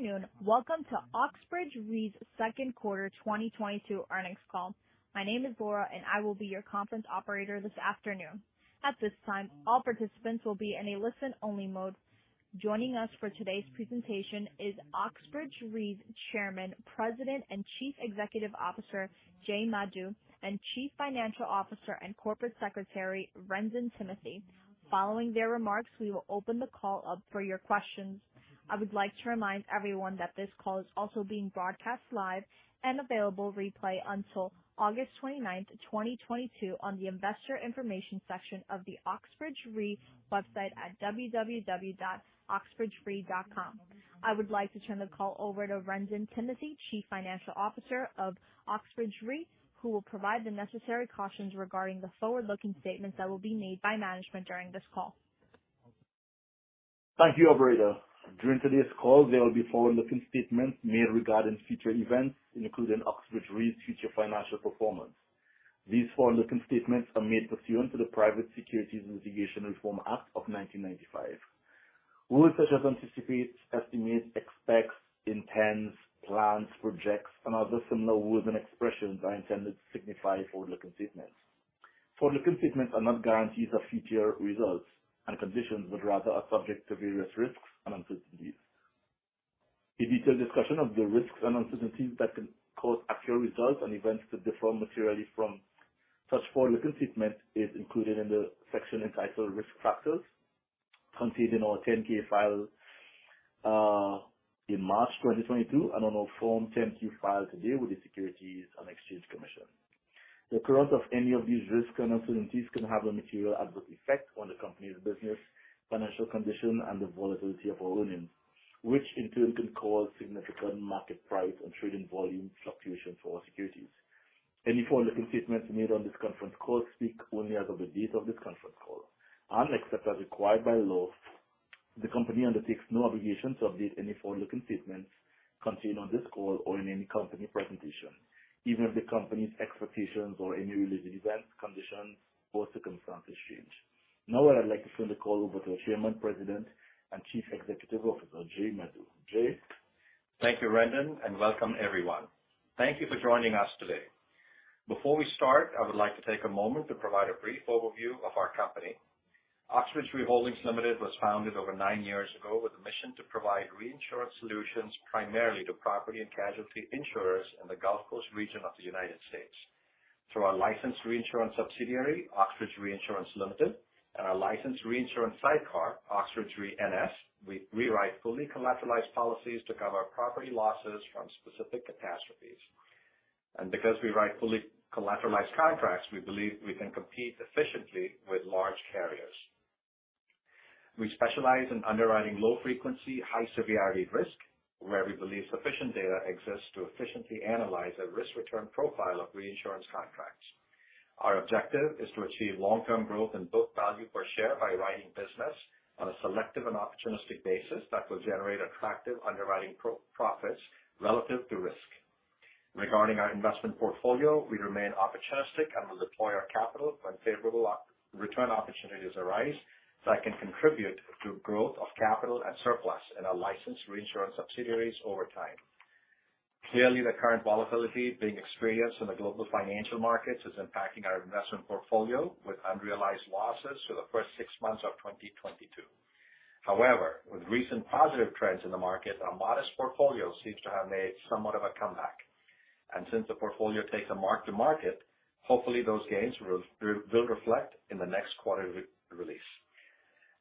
Good afternoon. Welcome to Oxbridge Re's second quarter 2022 earnings call. My name is Laura, and I will be your conference operator this afternoon. At this time, all participants will be in a listen-only mode. Joining us for today's presentation is Oxbridge Re's Chairman, President, and Chief Executive Officer, Jay Madhu, and Chief Financial Officer and Corporate Secretary, Wrendon Timothy. Following their remarks, we will open the call up for your questions. I would like to remind everyone that this call is also being broadcast live and available replay until August 29th, 2022, on the investor information section of the Oxbridge Re website at www.oxbridgere.com. I would like to turn the call over to Wrendon Timothy, Chief Financial Officer of Oxbridge Re, who will provide the necessary cautions regarding the forward-looking statements that will be made by management during this call. Thank you, operator. During today's call, there will be forward-looking statements made regarding future events, including Oxbridge Re's future financial performance. These forward-looking statements are made pursuant to the Private Securities Litigation Reform Act of 1995. Words such as anticipate, estimate, expects, intends, plans, projects, and other similar words and expressions are intended to signify forward-looking statements. Forward-looking statements are not guarantees of future results and conditions but rather are subject to various risks and uncertainties. A detailed discussion of the risks and uncertainties that can cause actual results and events to differ materially from such forward-looking statements is included in the section entitled Risk Factors contained in our Form 10-K filed in March 2022 and on our Form 10-Q filed today with the Securities and Exchange Commission. The occurrence of any of these risks and uncertainties can have a material adverse effect on the company's business, financial condition, and the volatility of our earnings, which in turn can cause significant market price and trading volume fluctuation for our securities. Any forward-looking statements made on this conference call speak only as of the date of this conference call. Except as required by law, the company undertakes no obligation to update any forward-looking statements contained on this call or in any company presentation, even if the company's expectations or any related events, conditions, or circumstances change. Now I'd like to turn the call over to our Chairman, President, and Chief Executive Officer, Jay Madhu. Jay? Thank you, Wrendon Timothy, and welcome everyone. Thank you for joining us today. Before we start, I would like to take a moment to provide a brief overview of our company. Oxbridge Re Holdings Limited was founded over nine years ago with a mission to provide reinsurance solutions primarily to property and casualty insurers in the Gulf Coast region of the United States. Through our licensed reinsurance subsidiary, Oxbridge Reinsurance Limited, and our licensed reinsurance sidecar, Oxbridge Re NS, we rewrite fully collateralized policies to cover property losses from specific catastrophes. Because we write fully collateralized contracts, we believe we can compete efficiently with large carriers. We specialize in underwriting low frequency, high severity risk, where we believe sufficient data exists to efficiently analyze a risk-return profile of reinsurance contracts. Our objective is to achieve long-term growth in book value per share by writing business on a selective and opportunistic basis that will generate attractive underwriting profits relative to risk. Regarding our investment portfolio, we remain opportunistic and will deploy our capital when favorable operating return opportunities arise that can contribute to growth of capital and surplus in our licensed reinsurance subsidiaries over time. Clearly, the current volatility being experienced in the global financial markets is impacting our investment portfolio with unrealized losses for the first six months of 2022. However, with recent positive trends in the market, our modest portfolio seems to have made somewhat of a comeback. Since the portfolio takes a mark to market, hopefully, those gains will reflect in the next quarterly release.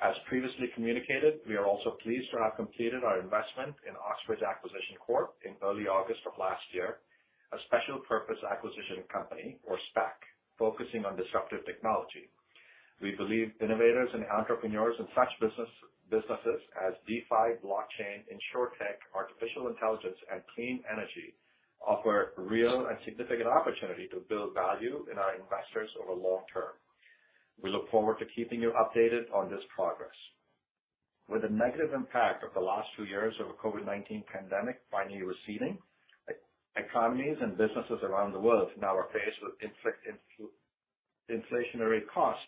As previously communicated, we are also pleased to have completed our investment in Oxbridge Acquisition Corp in early August of last year, a special purpose acquisition company, or SPAC, focusing on disruptive technology. We believe innovators and entrepreneurs in such businesses as DeFi, blockchain, Insurtech, artificial intelligence, and clean energy offer real and significant opportunity to build value in our investors over long term. We look forward to keeping you updated on this progress. With the negative impact of the last two years of the COVID-19 pandemic finally receding, economies and businesses around the world now are faced with inflationary cost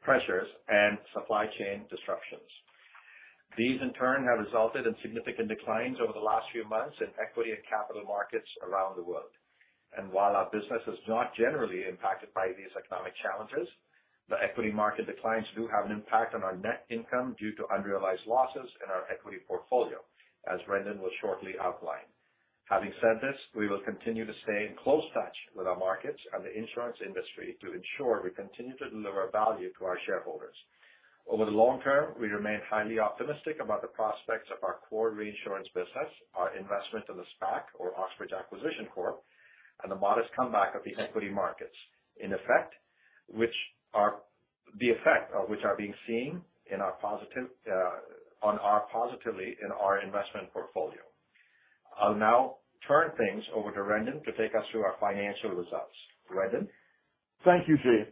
pressures and supply chain disruptions. These in turn have resulted in significant declines over the last few months in equity and capital markets around the world. While our business is not generally impacted by these economic challenges, the equity market declines do have an impact on our net income due to unrealized losses in our equity portfolio, as Wrendon Timothy will shortly outline. Having said this, we will continue to stay in close touch with our markets and the insurance industry to ensure we continue to deliver value to our shareholders. Over the long term, we remain highly optimistic about the prospects of our core reinsurance business, our investment in the SPAC or Oxbridge Acquisition Corp, and the modest comeback of the equity markets. The effect of which are being seen positively in our investment portfolio. I'll now turn things over to Wrendon Timothy to take us through our financial results. Wrendon Timothy? Thank you, Jay.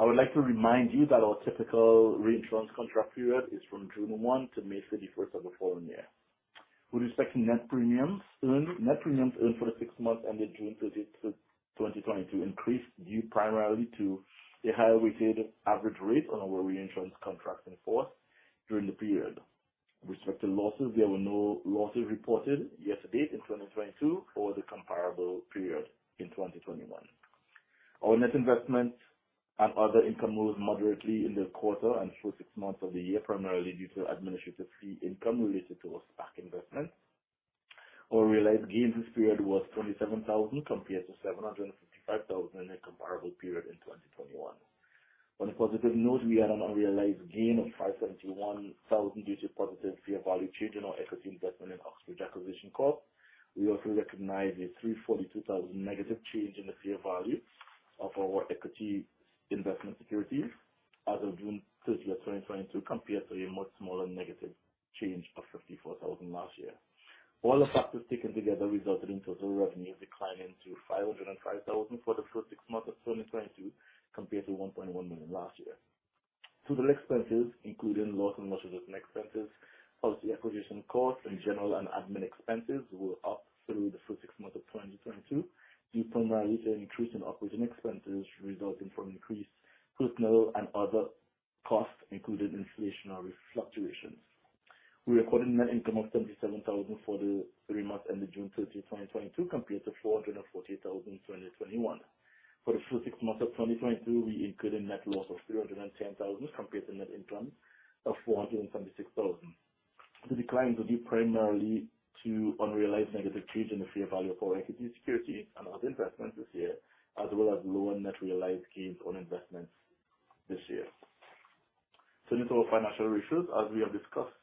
I would like to remind you that our typical reinsurance contract period is from June 1 to May 31st of the following year. With respect to net premiums earned, net premiums earned for the six months ended June 30, 2022 increased due primarily to the higher weighted average rate on our reinsurance contracts in force during the period. With respect to losses, there were no losses reported year to date in 2022 or the comparable period in 2021. Our net investment and other income rose moderately in the quarter and first six months of the year, primarily due to administrative fee income related to our SPAC investment. Our realized gains this period was $27,000 compared to $755,000 in the comparable period in 2021. On a positive note, we had an unrealized gain of $571,000 due to positive fair value change in our equity investment in Oxbridge Acquisition Corp. We also recognized a $342,000 negative change in the fair value of our equity investment securities as of June 30, 2022, compared to a much smaller negative change of $54,000 last year. All the factors taken together resulted in total revenue declining to $505,000 for the first six months of 2022 compared to $1.1 million last year. Total expenses, including loss adjustment expenses, policy acquisition costs, and general and admin expenses, were up through the first six months of 2022 due primarily to an increase in operating expenses resulting from increased personnel and other costs, including inflationary fluctuations. We recorded net income of $77,000 for the three months ended June 30, 2022, compared to $448,000 in 2021. For the first six months of 2022, we incurred a net loss of $310,000 compared to net income of $476,000. The decline was due primarily to unrealized negative change in the fair value of our equity security and other investments this year, as well as lower net realized gains on investments this year. Turning to our financial ratios, as we have discussed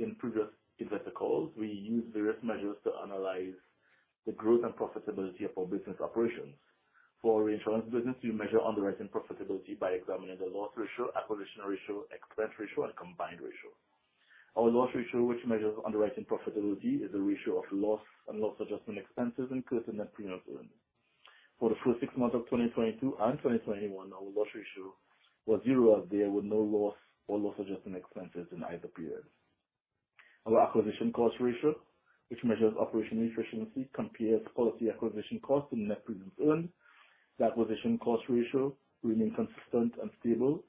in previous investor calls, we use various measures to analyze the growth and profitability of our business operations. For our reinsurance business, we measure underwriting profitability by examining the loss ratio, acquisition ratio, expense ratio, and combined ratio. Our loss ratio, which measures underwriting profitability, is the ratio of loss and loss adjustment expenses incurred to net premiums earned. For the first six months of 2022 and 2021, our loss ratio was zero, as there were no loss or loss adjustment expenses in either periods. Our acquisition cost ratio, which measures operational efficiency, compares policy acquisition costs to net premiums earned. The acquisition cost ratio remained consistent and stable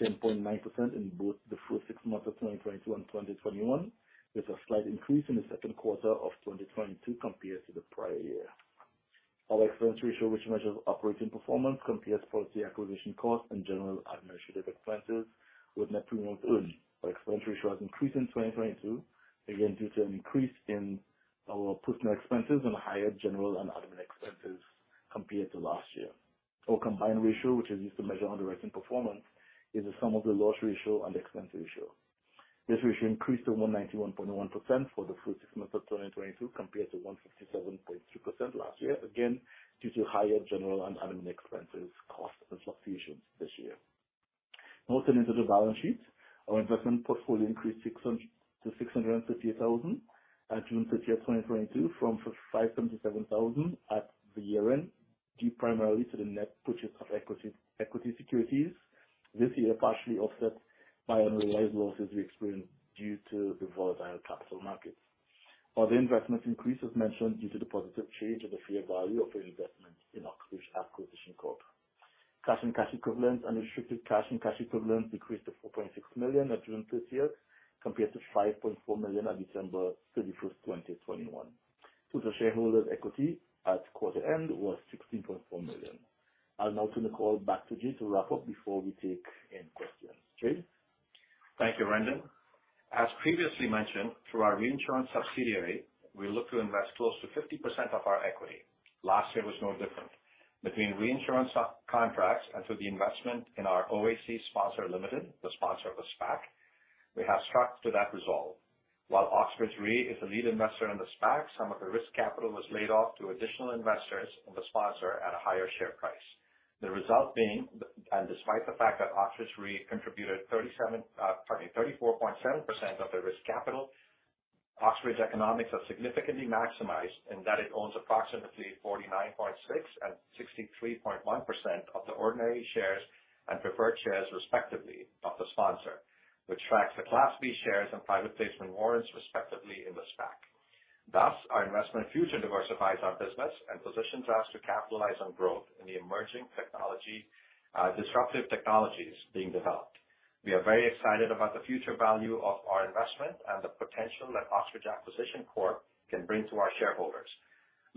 at 10.9% in both the first six months of 2022 and 2021, with a slight increase in the second quarter of 2022 compared to the prior year. Our expense ratio, which measures operating performance, compares policy acquisition costs and general administrative expenses with net premiums earned. Our expense ratio has increased in 2022, again, due to an increase in our personnel expenses and higher general and admin expenses compared to last year. Our combined ratio, which is used to measure underwriting performance, is the sum of the loss ratio and expense ratio. This ratio increased to 191.1% for the first six months of 2022 compared to 167.3% last year, again, due to higher general and admin expenses costs and fluctuations this year. Now turning to the balance sheet. Our investment portfolio increased to $658,000 at June thirtieth, 2022, from $577,000 at the year-end, due primarily to the net purchase of equity securities this year, partially offset by unrealized losses we experienced due to the volatile capital markets. Other investments increased as mentioned due to the positive change of the fair value of our investment in Oxbridge Acquisition Corp. Cash and cash equivalents, unrestricted cash and cash equivalents decreased to $4.6 million at June 30 compared to $5.4 million at December 31, 2021. Total shareholders' equity at quarter end was $16.4 million. I'll now turn the call back to Jay to wrap up before we take any questions. Jay? Thank you, Wrendon. As previously mentioned, through our reinsurance subsidiary, we look to invest close to 50% of our equity. Last year was no different. Between reinsurance contracts and through the investment in our OAC Sponsor Ltd., the sponsor of the SPAC, we have stuck to that resolve. While Oxbridge Re is the lead investor in the SPAC, some of the risk capital was laid off to additional investors and the sponsor at a higher share price. The result being, and despite the fact that Oxbridge Re contributed 37, pardon me, 34.7% of the risk capital, Oxbridge's economics are significantly maximized in that it owns approximately 49.6% and 63.1% of the ordinary shares and preferred shares, respectively, of the sponsor, which tracks the Class B shares and private placement warrants, respectively, in the SPAC. Thus, our investment future diversifies our business and positions us to capitalize on growth in the emerging technology, disruptive technologies being developed. We are very excited about the future value of our investment and the potential that Oxbridge Acquisition Corp. can bring to our shareholders.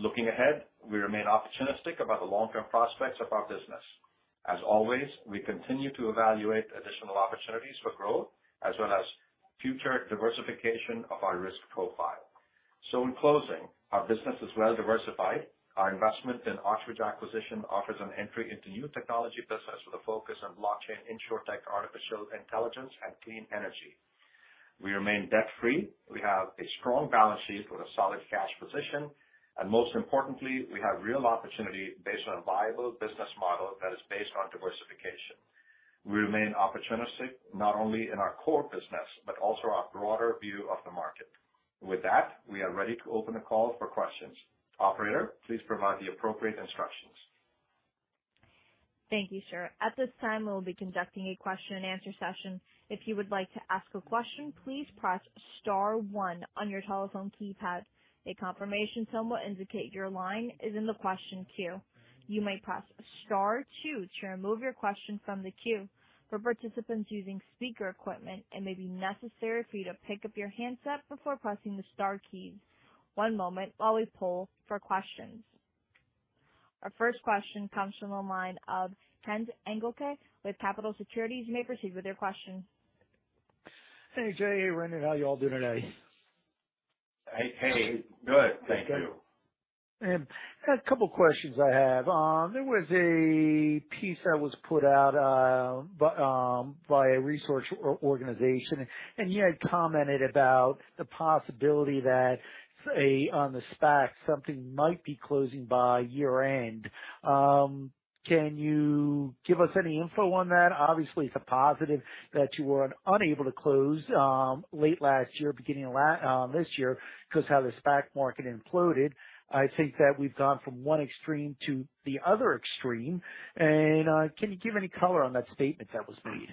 Looking ahead, we remain opportunistic about the long-term prospects of our business. As always, we continue to evaluate additional opportunities for growth as well as future diversification of our risk profile. In closing, our business is well diversified. Our investment in Oxbridge Acquisition offers an entry into new technology business with a focus on blockchain, Insurtech, artificial intelligence, and clean energy. We remain debt-free. We have a strong balance sheet with a solid cash position. Most importantly, we have real opportunity based on a viable business model that is based on diversification. We remain opportunistic not only in our core business, but also our broader view of the market. With that, we are ready to open the call for questions. Operator, please provide the appropriate instructions. Thank you, sir. At this time, we will be conducting a question and answer session. If you would like to ask a question, please press star one on your telephone keypad. A confirmation tone will indicate your line is in the question queue. You may press star two to remove your question from the queue. For participants using speaker equipment, it may be necessary for you to pick up your handset before pressing the star keys. One moment while we poll for questions. Our first question comes from the line of Kent Engelke with Capitol Securities Management. You may proceed with your question. Hey, Jay. Hey, Wrendon. How are you all doing today? Hey. Good. Thank you. A couple questions I have. There was a piece that was put out by a research organization, and you had commented about the possibility that on the SPAC, something might be closing by year-end. Can you give us any info on that? Obviously, it's a positive that you were unable to close late last year, beginning this year 'cause how the SPAC market imploded. I think that we've gone from one extreme to the other extreme. Can you give any color on that statement that was made?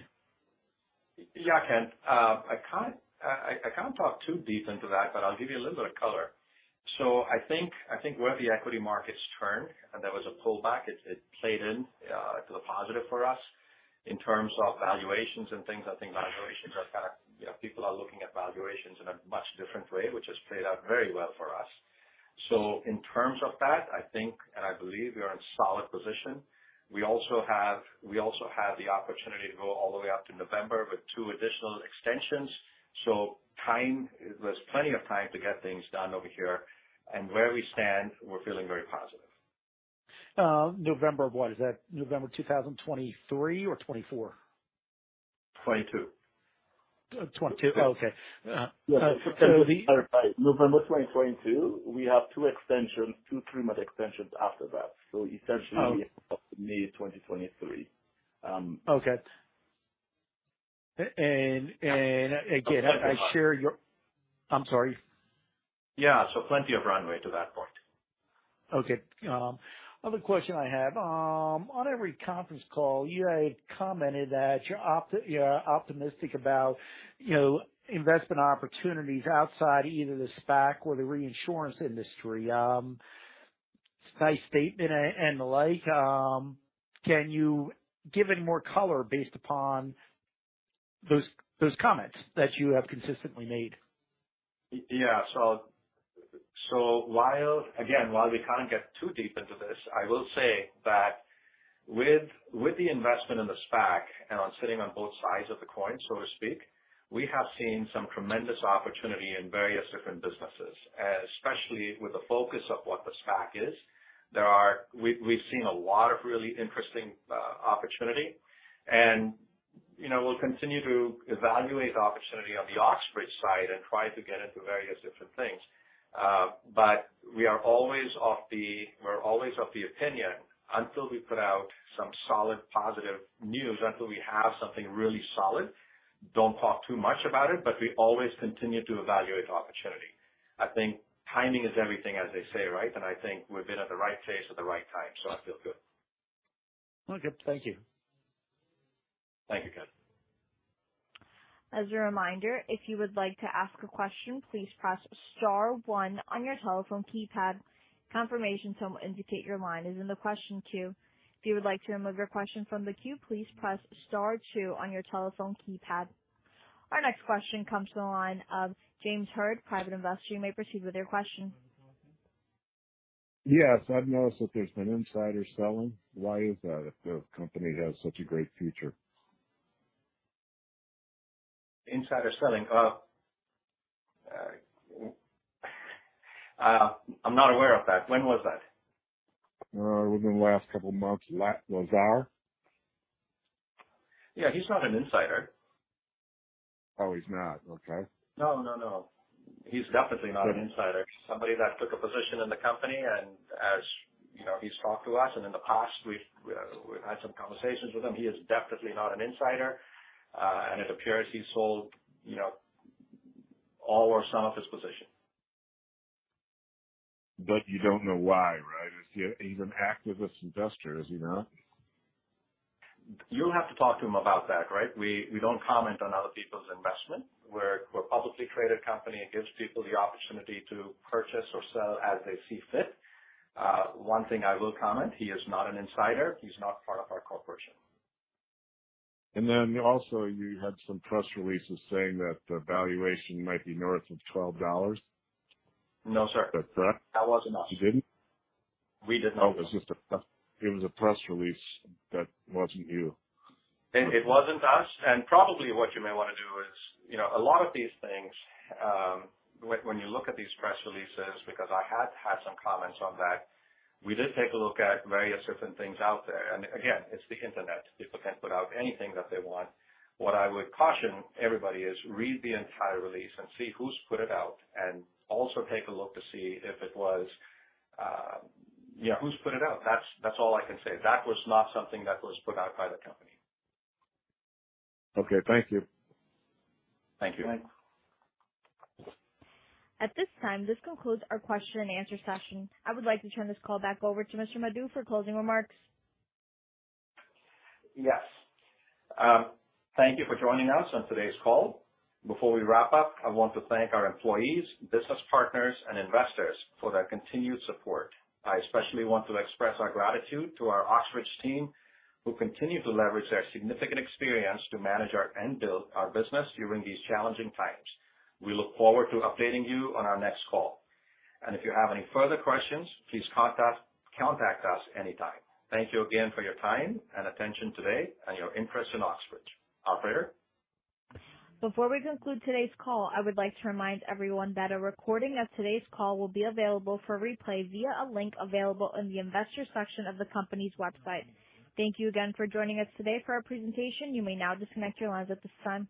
Yeah, Ken Engelke. I can't talk too deep into that, but I'll give you a little bit of color. I think where the equity markets turned and there was a pullback, it played into the positive for us. In terms of valuations and things, I think valuations are kinda. You know, people are looking at valuations in a much different way, which has played out very well for us. In terms of that, I think, and I believe we are in a solid position. We also have the opportunity to go all the way up to November with two additional extensions. Time, there's plenty of time to get things done over here. Where we stand, we're feeling very positive. November, what is that? November 2023 or 2024? 2022. 2022. Oh, okay. November 2022. We have two extensions, two three-month extensions after that. Essentially May 2023. Okay. Again, I share your. I'm sorry. Yeah. Plenty of runway to that point. Okay. Other question I have. On every conference call, you had commented that you're optimistic about, you know, investment opportunities outside either the SPAC or the reinsurance industry. It's a nice statement and the like, can you give any more color based upon those comments that you have consistently made? Yeah. While, again, while we can't get too deep into this, I will say that with the investment in the SPAC and sitting on both sides of the coin, so to speak, we have seen some tremendous opportunity in various different businesses, especially with the focus of what the SPAC is. We've seen a lot of really interesting opportunity. You know, we'll continue to evaluate the opportunity on the Oxbridge side and try to get into various different things. But we're always of the opinion, until we put out some solid positive news, until we have something really solid, don't talk too much about it, but we always continue to evaluate the opportunity. I think timing is everything, as they say, right? I think we've been at the right place at the right time, so I feel good. Okay. Thank you. Thank you, Kent. As a reminder, if you would like to ask a question, please press star one on your telephone keypad. Confirmation tone will indicate your line is in the question queue. If you would like to remove your question from the queue, please press star two on your telephone keypad. Our next question comes to the line of James Heard, Private Investor. You may proceed with your question. Yes. I've noticed that there's been insider selling. Why is that if the company has such a great future? Insider selling. I'm not aware of that. When was that? Within the last couple months. Lazar. Yeah. He's not an insider. Oh, he's not. Okay. No, no. He's definitely not an insider. Somebody that took a position in the company. As you know, he's talked to us, and in the past, we've had some conversations with him. He is definitely not an insider. It appears he sold, you know, all or some of his position. You don't know why, right? He's an activist investor as you know. You'll have to talk to him about that, right? We don't comment on other people's investment. We're a publicly traded company. It gives people the opportunity to purchase or sell as they see fit. One thing I will comment, he is not an insider. He's not part of our core personnel. You had some press releases saying that the valuation might be north of $12. No, sir. Is that correct? That wasn't us. You didn't? We did not. It was just a press release that wasn't you. It wasn't us. Probably what you may wanna do is. You know, a lot of these things, when you look at these press releases, because I have had some comments on that, we did take a look at various different things out there. Again, it's the Internet. People can put out anything that they want. What I would caution everybody is read the entire release and see who's put it out, and also take a look to see if it was, you know, who's put it out. That's all I can say. That was not something that was put out by the company. Okay. Thank you. Thank you. At this time, this concludes our question and answer session. I would like to turn this call back over to Mr. Madhu for closing remarks. Yes. Thank you for joining us on today's call. Before we wrap up, I want to thank our employees, business partners, and investors for their continued support. I especially want to express our gratitude to our Oxbridge team, who continue to leverage their significant experience to manage and build our business during these challenging times. We look forward to updating you on our next call. If you have any further questions, please contact us anytime. Thank you again for your time and attention today and your interest in Oxbridge. Operator. Before we conclude today's call, I would like to remind everyone that a recording of today's call will be available for replay via a link available in the Investors section of the company's website. Thank you again for joining us today for our presentation. You may now disconnect your lines at this time.